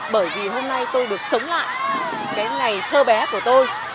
bởi vì hôm nay tôi được sống lại cái ngày thơ bé của tôi